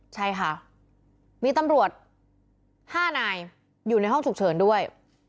ใช่ค่ะมีตำรวจ๕นายอยู่ในห้องฉุกเฉินด้วย